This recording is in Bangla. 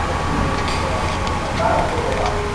ভাই, আমাদের কাছে দিবিয়া আর কৃষ্ণার ভিডিও ছিল।